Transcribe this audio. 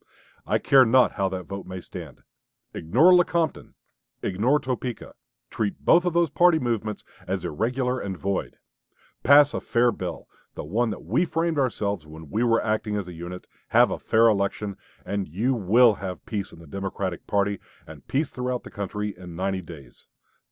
I care not how that vote may stand.... Ignore Lecompton; ignore Topeka; treat both those party movements as irregular and void; pass a fair bill the one that we framed ourselves when we were acting as a unit; have a fair election and you will have peace in the Democratic party, and peace throughout the country, in ninety days.